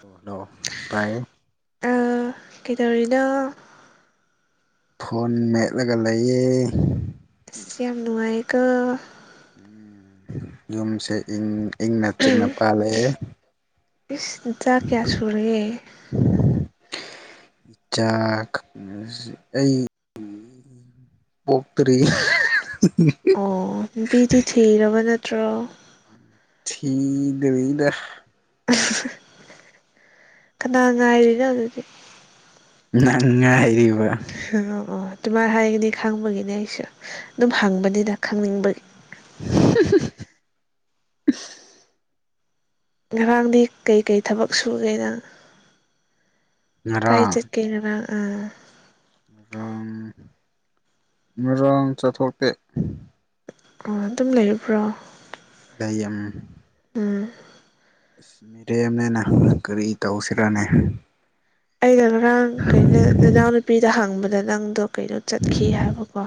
ꯍ ꯍꯜꯂꯣ ꯥꯏ ꯀꯩꯗꯧꯔꯤꯅ ꯐꯣꯟ ꯃꯦꯠꯂꯒ ꯂꯩꯌꯦ ꯌꯥꯝ ꯅꯨꯡꯉꯥꯏꯀ ꯎ ꯌꯨꯝꯁ ꯏꯪꯅ ꯆꯤꯡ ꯄꯥꯜ ꯂꯩꯦ ꯏꯁꯖ ꯀꯌꯥ ꯁꯨꯨꯔꯦ ꯏꯆꯥꯥꯛ ꯑꯩ ꯄꯣꯛꯔꯤ ꯑꯣ ꯅꯨꯄꯤꯗꯤ ꯊꯤꯔꯕ ꯅꯠꯇ꯭ꯔꯣ ꯀꯗꯕꯗ ꯀꯅꯥ ꯉꯥꯏꯔꯤꯅꯣ ꯑꯗꯨꯗꯤ ꯅꯉꯥꯏꯨ ꯑ ꯑꯗꯨꯃꯥꯏꯅ ꯍꯥꯏꯒꯅꯤ ꯈꯪꯕꯒꯤꯅꯦ ꯑꯩꯁꯨ ꯑꯗꯨꯝ ꯍꯪꯕꯅꯤꯅ ꯈꯪꯅꯤꯡꯕꯒꯤ [unintelligible] ꯉꯔꯥꯡꯗꯤ ꯀꯩꯀꯩ ꯊꯕꯛ ꯁꯨꯒꯦꯗꯪ ꯀꯥꯏ ꯆꯠ ꯀꯩꯅꯔ ꯑꯥ ꯔꯥꯡ ꯃꯔꯥꯡ ꯆꯠꯊꯣꯛꯇꯦ ꯑꯣ ꯑꯗꯨꯝ ꯂꯩꯨꯕ꯭ꯔꯣ ꯂꯩꯝ ꯎꯝ ꯑꯁ ꯃꯤꯔꯦꯝꯅꯦꯅ ꯀꯔꯤ ꯇꯧꯁꯤꯔꯅꯦ ꯑꯩꯅ ꯉꯔꯥꯡ ꯀꯩꯅꯣ ꯅꯅꯥꯎꯅꯨꯄꯤꯗ ꯍꯪꯕꯗ ꯅꯪꯗꯣ ꯀꯩꯅꯣ ꯆꯠꯈꯤ ꯍꯥꯏꯕꯀꯣ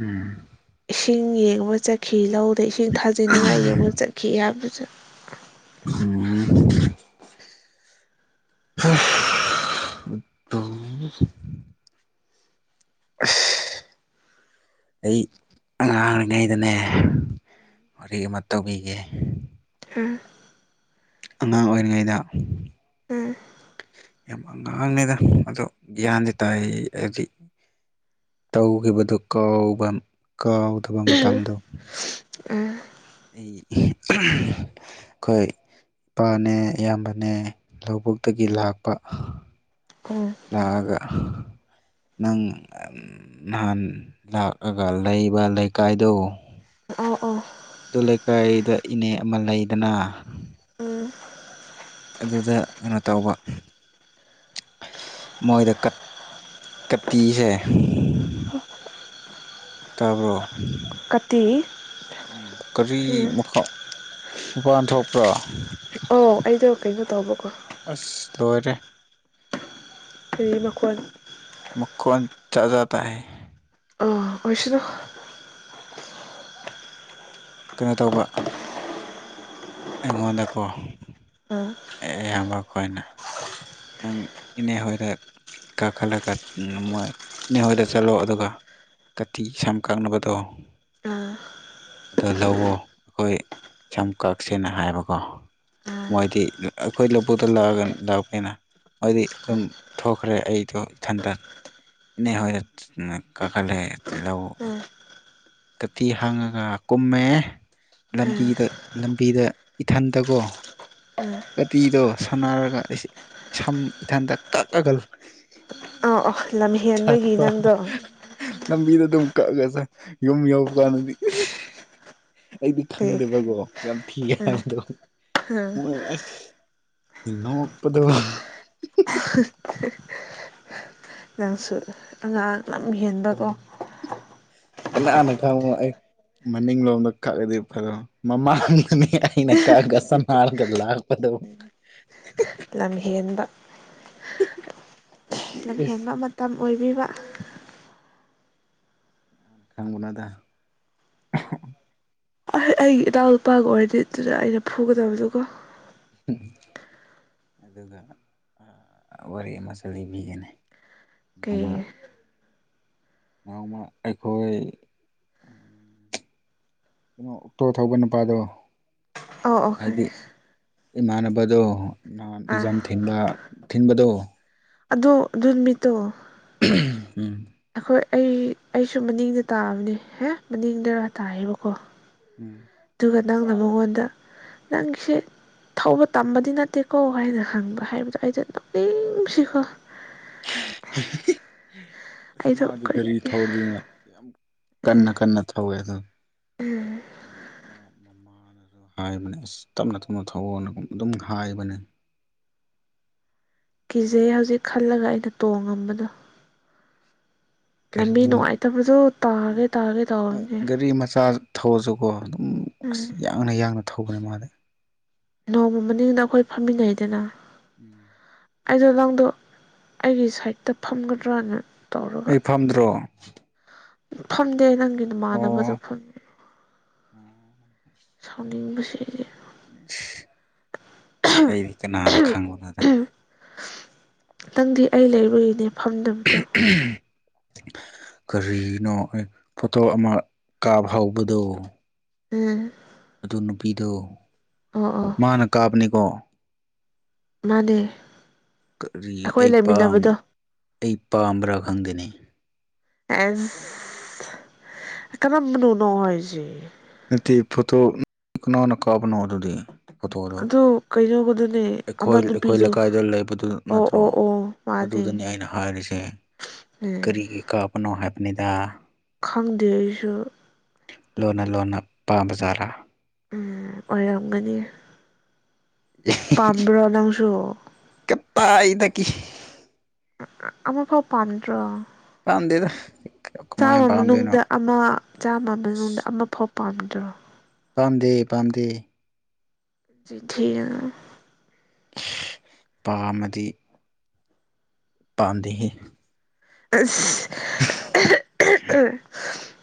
ꯎꯝ ꯏꯁꯤꯡ ꯌꯦꯡꯕ ꯆꯠꯈꯤ ꯂꯧꯗ ꯏꯁꯤꯡ ꯊꯥꯖꯤꯟꯅꯤꯡꯉꯥꯏ ꯌꯦꯡꯕ ꯆꯠꯈꯤ ꯍꯥꯏꯕꯁꯨ ꯎꯝ ꯎꯇꯣ [unintelligible] ꯑꯩ ꯉꯉꯥꯡꯔꯤꯉꯩꯗꯅꯦ ꯋꯥꯔꯤ ꯑꯃ ꯇꯧꯕꯤꯒꯦ ꯍꯝ ꯑꯉꯥꯡ ꯑꯣꯏꯔꯤꯉꯩꯗ ꯎꯝ ꯌꯥꯝ ꯑꯉꯥꯡꯅꯤꯗ ꯑꯗꯣ ꯒ꯭ꯌꯥꯟꯗꯤ ꯇꯥꯏ ꯍꯥꯏꯕꯗꯤ ꯇꯧꯈꯤꯕꯗꯨꯥꯎꯕ ꯀꯥꯎꯗꯕ ꯃꯇꯝꯗꯨ ꯎꯝ ꯑꯩ ꯑꯩꯈꯣꯏ ꯏꯄꯥꯅꯦ ꯏꯌꯥꯝꯕꯅꯦ ꯂꯧꯕꯨꯛꯇꯒꯤ ꯂꯥꯛꯄ ꯎꯝ ꯂꯒ ꯅꯪ ꯅꯍꯥꯟ ꯂꯥꯛꯑꯒ ꯂꯩꯕ ꯂꯩꯀꯥꯏꯗꯨꯣ ꯑ ꯑꯗꯨ ꯂꯩꯀꯥꯏꯗ ꯏꯅꯦ ꯑꯃ ꯂꯩꯗꯅ ꯎꯝ ꯑꯗꯨꯗ ꯀꯩꯅꯣ ꯇꯧꯕ ꯃꯣꯏꯗ ꯀꯠꯇꯤꯁꯦ ꯇꯥꯕ꯭ꯔꯣ ꯀꯇꯤ ꯎꯝ ꯀꯔꯤ ꯎꯝ ꯃꯈꯥ ꯃꯄꯥꯟ ꯊꯣꯛꯄ꯭ꯔꯥ ꯑꯣ ꯑꯩꯗꯣ ꯀꯩꯅꯣ ꯇꯧꯕꯀꯣ ꯑꯁ ꯂꯣꯏꯔꯦ ꯐ ꯃꯈꯣꯟ ꯆꯥꯖꯇꯥ ꯍ ꯑꯣꯏꯔꯁꯤꯅꯣ ꯀꯩꯅꯣ ꯇꯧꯕ ꯑꯦꯒꯣꯗꯀꯣ ꯑꯥ ꯑꯦ ꯑꯌꯥꯝꯕ ꯀꯣꯏꯅ ꯅꯪ ꯏꯅꯦ ꯍꯣꯏꯗ ꯀꯥꯈꯠꯂꯒ ꯃꯣꯏ ꯅꯅꯤꯍꯣꯏꯗ ꯆꯠꯂꯣ ꯑꯗꯨꯒ ꯀꯇꯤ ꯁꯝꯀꯛꯅꯕꯅꯕꯗꯣ ꯑꯥ ꯑꯗꯣ ꯂꯧꯋꯣ ꯑꯩꯈꯣꯏ ꯁꯝ ꯀꯛꯁꯦꯅ ꯍꯥꯏꯕꯀꯣ ꯑꯥ ꯃꯣꯏꯗꯤ ꯑꯩꯈꯣꯏ ꯂꯧꯕꯨꯛꯇ ꯂꯥꯛꯑꯒ ꯂꯥꯛꯄꯅꯤꯅ ꯃꯗꯤ ꯑꯗꯨꯝ ꯊꯣꯛꯈ꯭ꯔꯦ ꯑꯩꯗꯣ ꯏꯊꯟꯇꯟ ꯍ ꯀꯈꯜꯦ ꯂꯧ ꯎꯝ ꯎꯝ ꯀꯇꯤ ꯍꯥꯡꯉꯒ ꯀꯨꯝꯃꯦ ꯎꯝ ꯂꯝꯕꯤꯗ ꯂꯝꯕꯤꯗ ꯏꯊꯟꯗꯀꯣ ꯀꯥꯇꯤꯗꯣ ꯁꯥꯟꯅꯔꯒ ꯑꯩ ꯏꯁꯝ ꯏꯊꯟꯇ ꯀꯛꯑꯒꯜ ꯑꯧ ꯑꯥ ꯂꯝꯍꯦꯟꯕꯒꯤ ꯅꯪꯗꯣ ꯂꯝꯕꯤꯗ ꯑꯗꯨꯝ ꯀꯛꯑꯁ ꯌꯨꯝ ꯌꯎꯧꯕ ꯀꯥꯟꯗꯗꯤ ꯑꯩꯗꯤ ꯑꯦ ꯈꯪꯗꯦꯕꯀꯣ ꯌꯥꯝ ꯊꯤꯒ ꯎꯝ ꯍꯥꯏꯕꯗꯣ ꯎꯝ ꯃꯣꯏ ꯔꯁ ꯏꯟꯅꯣ ꯃꯄꯗ ꯅꯪꯁꯨ ꯑꯉꯥꯡ ꯑꯃ ꯌꯦꯟꯕꯀꯣ ꯀꯅꯥꯅ ꯈ ꯃꯅꯤꯡ ꯂꯣꯝꯗ ꯀꯥꯒꯗꯤ ꯐ ꯑꯗꯨꯣ ꯃꯃꯅꯤ ꯑꯩꯅ ꯀꯥꯒꯁꯝꯒꯗ ꯂꯥꯛꯄ ꯑꯣ ꯂꯝ ꯍꯦꯟꯕ ꯑꯩꯗꯤ ꯑꯁ ꯂꯝꯍꯦꯟꯕ ꯃꯇꯝ ꯑꯣꯏꯕꯤꯕ ꯅ ꯈꯪꯕꯅ ꯑꯗ ꯑꯍ ꯑꯩꯒꯤ ꯏꯅꯥꯎ ꯅꯨꯨꯄꯥꯒ ꯑꯣꯏꯔꯗꯤ ꯑꯗꯨꯗ ꯑꯩꯅ ꯐꯨꯒꯗꯕꯗꯨꯀꯣ ꯑꯗꯨꯒ ꯋꯥꯔꯤ ꯑꯃꯁꯨ ꯂꯤꯕꯤꯒꯅꯤ ꯀ ꯃ ꯑꯩꯈꯣꯏ ꯀꯩꯅꯣ ꯑꯣꯛꯇꯣ ꯊꯧꯕ ꯅꯨꯄꯥꯗꯣ ꯑꯣ ꯑꯣ ꯍꯥꯏꯗꯤ ꯈꯔꯦ ꯏꯃꯥꯟꯅꯕꯗꯣ ꯅꯍꯥꯟ ꯑꯥ ꯑꯦꯛꯖꯥꯝ ꯊꯤꯟꯕ ꯊꯤꯟꯕꯗꯣ ꯑꯗꯣ ꯑꯗꯨ ꯅꯨꯃꯤꯠꯇꯣ ꯎꯝ ꯍꯣꯏ ꯑꯩ ꯑꯩꯁꯨ ꯃꯅꯤꯡꯗ ꯇꯥꯕꯅꯦ ꯍꯦ ꯃꯅꯤꯡꯗꯔꯥ ꯇꯥꯏꯌꯦꯕꯀꯣ ꯎꯝ ꯑꯗꯨꯒ ꯅꯪꯖꯕꯣꯅꯗ ꯅꯪꯁ ꯊꯧꯕ ꯇꯝꯕꯗꯤ ꯅꯠꯇꯦꯀꯣ ꯍꯥꯏꯅ ꯍꯪꯕ ꯍꯥꯏꯕꯗꯣ ꯑꯩꯁꯦ ꯄꯨꯛꯅꯤꯡ ꯅꯨꯡꯁꯤꯈꯣ ꯑꯁ ꯑꯩꯗꯣ ꯃꯥꯗꯤ ꯀꯔꯤ ꯒꯥꯔꯤ ꯊꯧꯔꯤꯗꯅ ꯌꯥꯝ ꯀꯟꯅ ꯀꯟꯅ ꯊꯧꯋꯦ ꯑꯗ ꯎꯝ ꯃꯃꯥꯅ ꯍꯥꯏꯕꯅꯦ ꯑꯁ ꯇꯞꯅ ꯇꯞꯅ ꯊꯧꯑꯣꯅꯒ ꯑꯗꯨꯝ ꯍꯥꯏꯕꯅꯦ ꯀꯤꯖꯩ ꯍꯧꯖꯤꯛ ꯈꯜꯂꯒ ꯑꯩꯅ ꯇꯣꯡꯉꯝꯕꯗꯣ ꯒꯥꯔꯤ ꯂꯝꯕꯤ ꯅꯨꯡꯉꯥꯏꯇꯕꯗꯣ ꯇꯥꯒꯦ ꯇꯥꯒꯦ ꯇꯧꯔꯝꯅꯦ ꯒꯥꯔꯤ ꯃꯆꯥ ꯊꯧꯔꯁꯨꯀꯣ ꯑꯗꯨꯝ ꯎꯝ ꯑꯁ ꯌꯥꯡꯅ ꯌꯥꯡꯅ ꯊꯧꯕꯅꯦ ꯃꯥꯗꯤ ꯅꯣꯡꯃ ꯃꯅꯤꯡꯗ ꯑꯩꯈꯣꯏ ꯐꯝꯃꯤꯟꯅꯩꯗꯅ ꯎꯝ ꯑꯩꯗꯣ ꯂꯪꯗꯣ ꯑꯩꯒꯤ ꯁꯥꯏꯠꯇ ꯐꯝꯒꯗ꯭ꯔꯥꯅ ꯑꯩ ꯐꯝꯗ꯭ꯔꯣ ꯐꯝꯗꯦ ꯅꯪꯒꯤ ꯑꯣ ꯅꯃꯥꯟꯅꯕꯗꯨ ꯐꯉꯤ ꯁꯥꯎꯅꯤꯡꯕꯁꯦ ꯑꯩꯗꯤ ꯏꯁ ꯑꯩꯗꯤ ꯀꯅꯥꯅ ꯈꯪꯕꯨꯅꯣꯗ ꯅꯪꯗꯤ ꯑꯩ ꯂꯩꯔꯨꯒꯤꯅꯦ ꯐꯝꯗꯕꯗꯣ ꯀꯔꯤꯅꯣ ꯑꯩ ꯄꯣꯇꯣ ꯑꯃ ꯀꯥꯕ ꯍꯧꯕꯗꯣ ꯎꯝ ꯑꯗꯨ ꯅꯨꯄꯤꯗꯣ ꯑꯣ ꯑꯣ ꯃꯥꯅ ꯀꯥꯞꯕꯅꯤꯀꯣ ꯃꯥꯅꯦ ꯀꯔꯤ ꯑꯩꯈꯣꯏ ꯑꯩ ꯄꯥꯝ ꯂꯩꯃꯤꯟꯅꯕꯗꯣ ꯑꯩ ꯄꯥꯝꯕ꯭ꯔꯥ ꯈꯪꯗꯦꯅꯦ ꯑꯦꯁ ꯀꯔꯝꯕꯅꯣ ꯂꯧ ꯍꯥꯏꯁꯦ ꯅꯠꯇꯦ ꯐꯣꯇꯣ ꯀꯅꯥꯅ ꯀꯥꯕꯅ ꯑꯗꯨꯗꯤ ꯐꯣꯇꯣꯇꯣ ꯑꯗꯨꯗꯤ ꯐꯣꯇꯣ ꯍꯩꯅꯤꯪꯂꯣꯠꯇꯣ ꯑꯩꯈꯣꯏ ꯑꯩꯈꯣꯏ ꯂꯩꯀꯥꯏꯗ ꯂꯩꯕꯗꯨ ꯑꯣ ꯅꯠꯇ꯭ꯔꯣ ꯑꯣ ꯑꯣ ꯃꯥꯅꯦ ꯑꯗꯨꯗꯅꯤ ꯑꯩꯅ ꯍꯥꯏꯔꯤꯁꯦ ꯎꯝ ꯀꯔꯤꯒꯤ ꯀꯥꯄꯅꯣ ꯍꯥꯏꯕꯅꯤꯗ ꯈꯪꯗꯦ ꯑꯩꯁꯨ ꯂꯣꯟꯅ ꯂꯣꯟꯅ ꯄꯥꯝꯕ ꯖꯥꯔꯥ ꯎꯝ ꯑꯣꯏꯔꯝꯒꯅꯤ ꯄꯥꯝꯕ꯭ꯔꯅꯥꯥꯡꯁꯨ ꯇꯥꯏ ꯑꯩꯅꯥ ꯒꯤ ꯑꯥ ꯑꯥ ꯑꯥ ꯑꯃꯐꯥꯑꯣ ꯄꯥꯟꯗ꯭ꯔ ꯂꯝꯗꯦꯗꯥ ꯆꯥꯝꯃ ꯃꯅꯨꯡꯗ ꯑꯃ ꯆꯥꯝꯃ ꯃꯅꯨꯡꯗ ꯑꯃ ꯐꯥꯎ ꯄꯥꯝꯗ꯭ꯔꯣ ꯄꯥꯝꯗꯦ ꯄꯥꯝꯗꯦ [unintelligible] ꯄꯥꯝꯃꯗꯤ ꯄꯥꯟꯗꯦ ꯍꯦ ꯏꯁ ꯍꯦ ꯍꯦ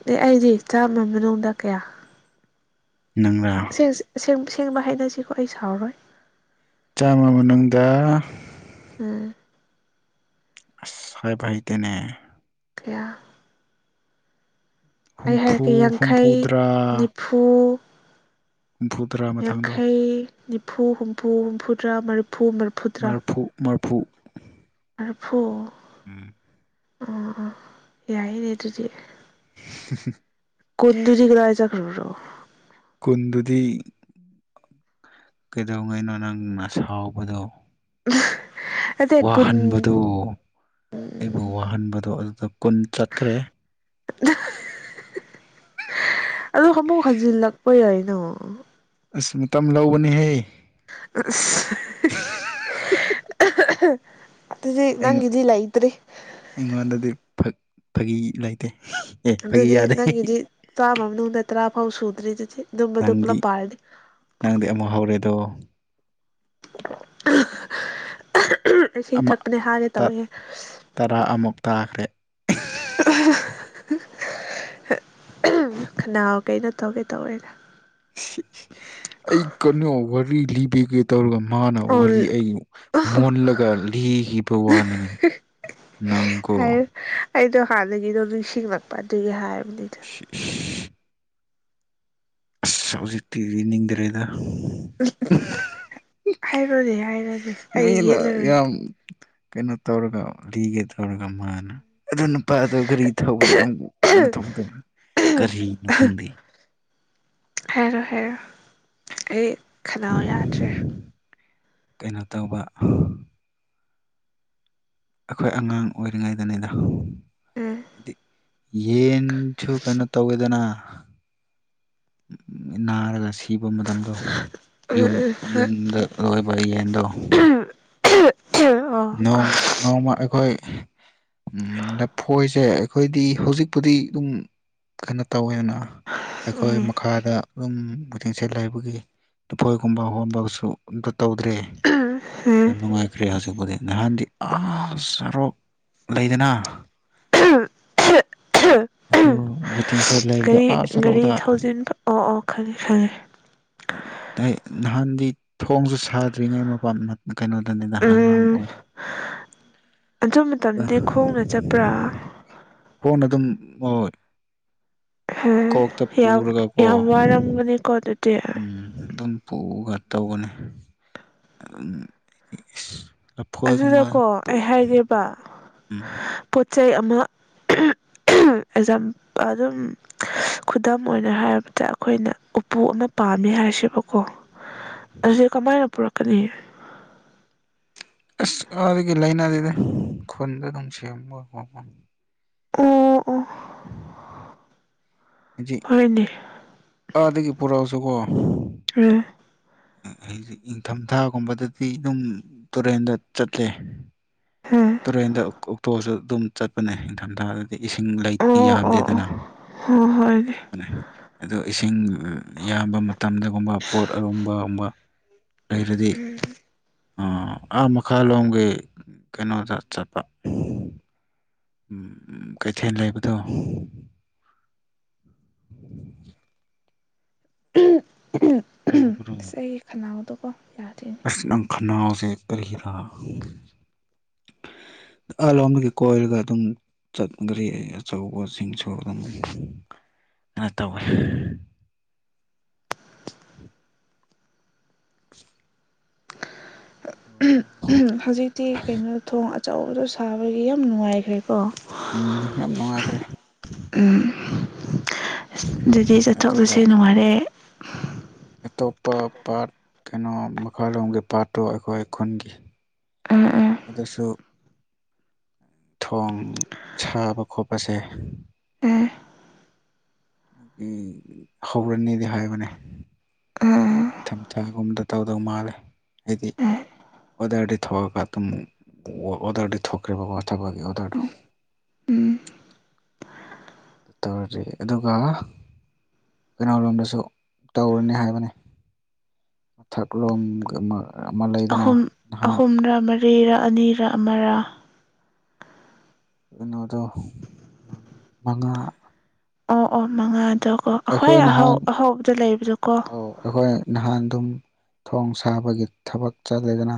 ꯍꯦꯛ ꯑꯦ ꯑꯩꯗꯤ ꯆꯥꯝꯃ ꯃꯅꯨꯡꯗ ꯀꯌꯥ ꯅꯪꯔ ꯁꯦꯡꯕ ꯍꯥꯏꯅꯁꯤꯀꯣ ꯑꯩ ꯁꯥꯎꯔꯔꯣꯏ ꯆꯥꯝꯃ ꯃꯅꯨꯡꯗ ꯎꯝ ꯑꯁ ꯍꯥꯏꯕ ꯍꯩꯇꯦꯅꯦ ꯀꯌꯥ ꯑꯩ ꯍꯥꯏꯔꯛꯀꯦ ꯍꯨꯝꯐꯨ ꯌꯥꯡꯈꯩ ꯍꯨꯝꯐꯨꯇꯔꯥ ꯅꯤꯐꯨ ꯍꯨꯝꯐꯨ ꯇꯔꯥ ꯃꯊꯪꯗꯣ ꯌꯥꯡꯈꯩ ꯅꯤꯐꯨ ꯍꯨꯝꯐꯨ ꯍꯨꯝꯐꯨꯇꯔꯥ ꯃꯔꯤꯐꯨ ꯃꯔꯤꯐꯨꯇꯔꯥ ꯐꯨ ꯃꯔꯤꯐꯨ ꯑꯥ ꯑꯥ ꯌꯥꯏꯅꯦ ꯑꯗꯨꯗꯤ ꯍꯨꯝ ꯍꯨꯝ ꯀꯟꯗꯨꯗꯤꯒ ꯂꯥꯏ ꯆꯈ꯭ꯔ꯭ꯔꯣ ꯀꯨꯟꯗꯨꯗꯤ ꯀꯩꯗꯧꯉꯩꯅꯣ ꯅꯪꯅ ꯁꯥꯎꯕꯗꯣ ꯑ ꯋꯥꯍꯟꯕꯗꯨꯣ ꯑꯩꯕꯨ ꯋꯥꯍꯟꯕꯗꯣ ꯑꯗꯨꯗ ꯀꯨꯟ ꯆꯠꯈ꯭ꯔꯦ ꯑꯂ ꯍꯃꯨꯛ ꯍꯖꯤꯜꯂꯛꯄ ꯌꯥꯏꯅ ꯑꯁ ꯃꯇꯝ ꯂꯧꯕꯅꯦꯍꯦ ꯑ ꯑꯗꯤ ꯑꯩꯉꯣꯟ ꯅꯪꯤꯗꯤꯂ ꯏꯇꯦ ꯑꯩꯉꯣꯟꯗꯗꯤ ꯐꯛ ꯐꯥꯒꯤ ꯂꯩꯇꯦ ꯑꯦ ꯐꯥꯒꯤ ꯑꯗꯨꯗꯤ ꯌꯥꯗꯦ ꯅꯪꯒꯤꯗꯤ ꯆꯥꯝꯃ ꯃꯅꯨꯡꯗ ꯇꯔꯥ ꯐꯥꯎ ꯁꯨꯗ꯭ꯔꯤ ꯑꯗꯨꯗꯤ ꯅꯨꯝꯝꯕꯗꯣ ꯅꯪꯗꯤ ꯄꯨꯂꯞ ꯄꯥꯔꯅꯤ ꯅꯪꯗꯤ ꯑꯃꯨꯛ ꯍꯧꯔꯦꯗꯣ [inaudible] ꯁꯤ ꯑꯃ ꯊꯛꯄꯅꯦ ꯍꯥꯏꯒꯦ ꯇꯧꯏꯦ ꯇꯔꯥ ꯑꯃꯨꯛ ꯇꯥꯈ꯭ꯔꯦ ꯑ ꯈꯅꯥꯎ ꯀꯩꯅꯣ ꯇꯧꯒꯦ ꯇꯧꯔꯦꯅ ꯑꯩ ꯀꯩꯅꯣ ꯋꯥꯔꯤ ꯂꯤꯕꯤꯒꯦ ꯇꯧꯔꯒ ꯃꯥꯅ ꯑꯣ ꯋꯥꯔꯤ ꯑꯩ ꯃꯣꯜꯂꯒ ꯂꯤꯈꯤꯕ ꯋꯥꯅꯤꯅꯦ ꯅꯪꯀꯣ ꯍꯥꯏꯌꯨ ꯑꯩꯗꯣ ꯍꯥꯟꯅꯒꯤꯗꯣ ꯅꯤꯡꯁꯤꯡꯂꯛꯄ ꯑꯗꯨꯒꯤ ꯍꯥꯏ [inaudible] ꯑꯁ ꯍꯧꯖꯤꯛꯇꯤꯗꯤ ꯅꯤꯡꯗ꯭ꯔꯦꯗ ꯍꯥꯏꯔꯣꯅꯦ ꯍꯥꯏꯔꯣꯅꯦ ꯑꯩ ꯃꯤꯅ ꯌꯦꯠꯂꯔꯣꯏꯒꯦ ꯌꯥꯝ ꯀꯩꯅꯣ ꯇꯧꯔꯒ ꯂꯤꯒꯦ ꯇꯧꯔꯒ ꯃꯥꯅ ꯑꯗꯨ ꯅꯨꯄꯥꯗꯣ ꯒꯥꯔꯤ ꯊꯧꯕꯗꯣ ꯌꯥꯝ ꯀꯥꯟꯅ ꯊꯧꯕꯗꯕ ꯀꯔꯤꯅꯣ ꯈꯪꯗꯦ ꯍꯥꯏꯔꯣ ꯍꯥꯏꯔꯣ ꯑꯩ ꯈꯗꯥꯎ ꯌꯥꯗ꯭ꯔꯦ ꯀꯩꯅꯣ ꯇꯧꯕ ꯑꯩꯈꯣꯏ ꯑꯉꯥꯡ ꯑꯣꯏꯔꯤꯉꯩꯗꯅꯦꯗ ꯎꯝ ꯍꯥꯏꯗꯤ ꯌꯦꯟ ꯁꯨꯨ ꯀꯩꯅꯣ ꯇꯧꯋꯦꯗꯅ ꯅꯥꯔꯒ ꯁꯤ ꯊꯤꯕ ꯃꯇꯝꯗꯣ ꯌꯨꯝ ꯌꯨꯝꯗ ꯂ ꯑꯣꯏꯣꯏꯕ ꯌꯦꯟꯗꯣ ꯑꯣ ꯅꯣꯡ ꯅꯣꯡꯃ ꯑꯩꯈꯣꯏ ꯎ ꯂꯐꯣꯏꯁꯦ ꯑꯩꯈꯣꯏꯗꯤ ꯍꯧꯖꯤꯛꯄꯨꯗꯤ ꯑꯗꯨꯝ ꯀꯟꯅꯣ ꯇꯧꯋꯦꯗꯅ ꯑꯩꯈꯣꯏ ꯎꯝ ꯃꯈꯥꯗ ꯑꯗꯨꯨꯝꯕꯨꯗꯤꯡꯁꯠ ꯂꯩꯕꯒꯤ ꯂꯨꯐꯣꯏꯒꯨꯝꯕ ꯍꯣꯟꯕꯁꯨ ꯑꯗꯨꯝ ꯇꯧꯗ꯭ꯔꯔꯤ ꯎꯝ ꯌꯥꯝꯅꯨꯡꯉꯥꯏꯈ꯭ꯔꯔꯤ ꯍꯥꯏꯁꯨꯕꯨꯗꯤ ꯅꯍꯥꯟꯗꯤ ꯑꯥ ꯁꯔꯣꯛ ꯂꯩꯗꯅ ꯑ ꯊꯤꯡꯁꯦ ꯂꯩꯕꯗꯣ ꯒꯥꯔꯤ ꯑꯥ ꯁꯔꯣꯛꯗ ꯒꯥꯔꯤ ꯊꯧꯖꯤꯟ ꯑꯣ ꯑꯣ ꯈꯪꯉꯦ ꯈꯪꯉꯦ ꯅꯍꯥꯟꯗꯤ ꯊꯣꯡꯁꯨ ꯁꯥꯗ꯭ꯔꯤꯉꯩ ꯃꯄ ꯀꯩꯅꯣꯗꯅꯤ ꯅꯍꯥꯟꯉꯥꯡ ꯎꯝ ꯑꯣꯏ ꯑꯗꯨ ꯃꯇꯝꯗꯤ ꯈꯣꯡꯅ ꯆꯠꯄ꯭ꯔꯥ ꯐꯣꯟ ꯑꯗꯨꯝ ꯑꯣꯏ ꯍ ꯌꯥꯝ ꯌꯥꯝ ꯌꯥꯝ ꯋꯥꯔꯝꯒꯅꯤ ꯀꯣ ꯑꯗꯨ ꯎꯝ ꯑꯗꯨꯝ ꯄꯨꯒ ꯇꯧꯕꯅꯦ ꯑꯗꯨꯝ ꯂꯐꯣꯏꯒꯨꯝꯕ ꯑꯗꯨꯗꯀꯣ ꯑꯩ ꯍꯥꯏꯒꯦꯕ ꯎꯝ ꯄꯣꯠ ꯆꯩꯩ ꯑꯃ ꯑꯦꯛꯖꯥꯝ ꯑꯗꯨꯝ ꯈꯨꯗꯝ ꯑꯣꯏꯅ ꯍꯥꯏꯔꯕꯗ ꯑꯩꯈꯣꯏꯅ ꯎꯄꯨꯅ ꯄꯥꯝ ꯄꯥꯝꯃꯦ ꯍꯥꯏꯁꯦꯕꯀꯣ ꯑꯗꯨꯗꯤ ꯀꯃꯥꯏꯅ ꯄꯨꯔꯛꯀꯅꯤ ꯑꯁ ꯑꯗꯨꯒꯤ ꯂꯩꯥꯏꯅꯔꯤꯗ ꯈꯨꯟꯗ ꯑꯗꯨꯝ ꯁꯦꯝꯕ ꯈꯣꯠꯄ ꯎꯝ ꯍꯧꯖꯤꯛ ꯍꯗꯤ ꯑꯥꯗꯒꯤ ꯄꯨꯔꯛꯎꯁꯨꯀꯣ ꯎꯝ ꯅꯤꯡꯪꯊꯝꯊꯥꯒꯨꯝꯕꯗꯗꯤ ꯑꯗꯨꯝ ꯇꯨꯔꯦꯟꯗ ꯆꯠꯂꯦ ꯎꯝ ꯇꯨꯔꯦꯟꯗ ꯑꯣꯛꯇꯣꯁꯨ ꯑꯗꯨꯝ ꯆꯠꯄꯅꯦ ꯅꯤꯡꯪꯊꯝꯊꯥ ꯑ ꯏꯁꯤꯡ ꯂꯩ ꯑꯣ ꯑꯣ ꯑꯣ ꯌꯥꯝꯗꯦꯗꯅ ꯍꯣꯏ ꯍꯣꯏꯅꯦ ꯑꯗꯨ ꯏꯁꯤꯡ ꯌꯥꯝꯕ ꯃꯇꯝꯗꯒꯨꯝꯕ ꯄꯣꯠ ꯑꯔꯨꯝꯕꯒꯨꯝꯕ ꯎꯝ ꯑꯣ ꯑꯥ ꯃꯈꯥ ꯂꯣꯝꯒꯤ ꯀꯩꯅꯣꯗ ꯆꯠꯄ ꯎꯝ ꯀꯩꯊꯦꯜ ꯂꯩꯕꯗꯣ ꯇꯧꯕ꯭ꯔꯣ ꯁ ꯑꯩꯒꯤ ꯈꯅꯥꯎꯗꯣꯀꯣ ꯌꯥꯗ꯭ꯔꯤꯅꯦ ꯑꯁ ꯅꯪ ꯈꯅꯥꯎꯁꯦ ꯀꯔꯤꯔꯥ ꯑ ꯂꯝꯕꯒꯤ ꯀꯣꯏꯔꯒ ꯑꯗꯨꯝ ꯆꯠꯈ꯭ꯔꯔꯤ ꯑꯩ ꯑꯆꯧꯕꯁꯤꯡꯁꯨ ꯑꯗꯨꯝ ꯑ ꯇꯧꯕ [inaudible] [unintelligible] ꯑꯗꯣ ꯍꯧꯖꯤꯛꯇꯤ ꯀꯩꯅꯣ ꯊꯣꯡ ꯑꯆꯧꯕꯗꯣ ꯁꯥꯕꯒꯤ ꯌꯥꯝ ꯅꯨꯡꯉꯥꯏꯈ꯭ꯔꯦ ꯎꯝ ꯌꯥꯝ ꯅꯨꯡꯉꯥꯏꯈ꯭ꯔꯦ ꯑ ꯑꯗꯨꯗꯤ ꯑꯗꯨꯒ ꯆꯠꯊꯣꯛꯂꯁꯨ ꯅꯨꯡꯉꯥꯏꯔꯑꯦ ꯑꯇꯣꯞꯄ ꯄꯥꯠ ꯀꯩꯅꯣ ꯃꯈꯥꯂꯣꯝꯒꯤ ꯄꯥꯠꯇꯣ ꯑꯩꯈꯣꯏ ꯈꯨꯟꯒꯤ ꯑ ꯎꯝ ꯑꯗꯨꯁꯨ ꯊꯣꯡ ꯁꯥꯕ ꯈꯣꯠꯄꯁꯦ ꯎꯝ ꯍꯒꯨꯔꯥꯅꯤꯅꯤꯗꯦꯍꯥꯏ ꯃ ꯎꯝ ꯊꯝꯊꯥꯒꯨꯝꯗ ꯇꯧꯗꯧ ꯃꯥꯜꯂꯦ ꯍꯥꯏꯗꯤ ꯎꯝ ꯑꯣꯗꯔꯗꯤ ꯊꯑ ꯀ ꯇ ꯑꯣꯔꯗꯔꯗꯤ ꯊꯣꯛꯈ꯭ꯔꯦꯕꯕꯥꯥ ꯊꯕꯒꯤ ꯑꯣꯗꯔꯗꯨꯣ ꯎꯝ ꯇꯧꯔꯤ ꯑꯗꯨꯒ ꯀꯅꯥ ꯂꯣꯝꯗꯁꯨ ꯇꯧꯔꯅꯤ ꯍꯥꯏꯕꯅꯤ ꯃꯊꯛꯂꯣꯝ ꯑꯃ ꯂꯩꯗꯅ ꯅꯍꯥꯟ ꯑꯍꯨꯝꯔ ꯃꯔꯤꯔ ꯑꯅꯤꯔ ꯑꯃꯔꯥ ꯀꯩꯅꯣꯗꯣ ꯃꯉꯥ ꯑꯣ ꯑꯣ ꯃꯉꯥꯗꯣꯀꯣ ꯑꯩꯈ꯭ꯋꯥꯏ ꯑꯩꯈꯣꯏ ꯑꯍꯧ ꯅꯍꯥꯟ ꯑꯍꯧꯕꯗ ꯂꯩꯕꯗꯣꯀꯣ ꯑꯧ ꯑꯩꯈꯣꯏ ꯅꯍꯥꯟ ꯑꯗꯨꯝ ꯊꯣꯡ ꯁꯥꯕꯒꯤ ꯊꯕꯛ ꯆꯠꯂꯗꯅ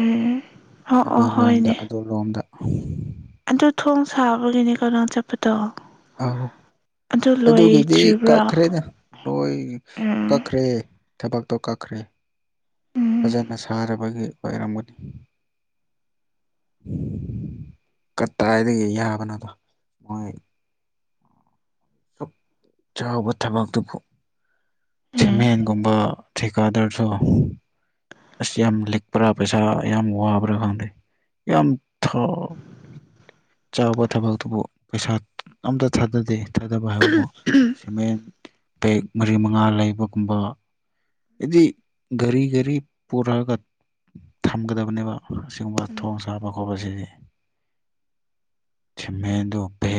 ꯎꯝ ꯑꯣ ꯑꯗꯨ ꯑꯣ ꯂꯣꯝꯗ ꯍꯣꯏꯅꯦ ꯑꯗꯨ ꯂꯣꯝꯗ ꯑꯗꯨ ꯊꯣꯡ ꯁꯥꯕꯒꯤꯅꯦ ꯀꯗꯣ ꯆꯠꯄꯗꯣ ꯑ ꯑꯗꯨ ꯑꯗꯨꯒꯤꯗꯤ ꯂꯣꯏꯗ꯭ꯔꯤꯕ꯭ꯔꯥ ꯀꯛꯈ꯭ꯔꯦꯗ ꯅꯣꯏ ꯎꯝ ꯀꯛꯈ꯭ꯔꯦ ꯊꯕꯛꯇꯣ ꯀꯛꯈ꯭ꯔꯦ ꯎꯝ ꯐꯖꯅ ꯁꯥꯔꯕꯒꯤ ꯑꯣꯏꯔꯝꯒꯅꯤ ꯀꯗꯥꯏꯗꯒꯤ ꯌꯥꯕꯅꯗꯣ ꯃꯣꯏ ꯁꯛ ꯆꯥꯎꯕ ꯊꯕꯛꯇꯨꯕꯨ ꯎꯝ ꯁꯃꯦꯟꯒꯨꯝꯕ ꯊꯤꯀꯥꯗꯔꯁꯨ ꯑꯁ ꯌꯥꯝ ꯂꯤꯛꯄ꯭ꯔꯥ ꯄꯩꯁꯥ ꯌꯥꯝ ꯋꯥꯕ꯭ꯔꯥ ꯈꯪꯗꯦ ꯌꯥꯝꯝꯊ ꯆꯥꯎꯕ ꯊꯕꯛꯇꯨꯕꯨ ꯄꯩꯁꯥ ꯑꯝꯇ ꯊꯥꯗꯗꯦ ꯊꯥꯗꯕ ꯍꯥꯏꯕꯨ ꯁꯃꯦꯟ ꯦꯛ ꯃꯔꯤ ꯃꯉꯥ ꯂꯩꯕꯒꯨꯝꯕ ꯍꯥꯏꯗꯤ ꯒꯥꯔꯤ ꯒꯥꯔꯤ ꯄꯨꯔꯒꯠ ꯊꯝꯒꯗꯕꯅꯦꯕ ꯑꯁꯤꯒꯨꯝꯕ ꯎꯝ ꯊꯣꯡ ꯁꯥꯕ ꯈꯣꯠꯄ ꯁꯤꯗꯤ ꯊꯤ ꯃꯦꯟ ꯗꯣ ꯕꯦꯛ